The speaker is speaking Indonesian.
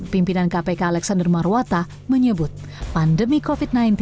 pimpinan kpk alexander marwata menyebut pandemi covid sembilan belas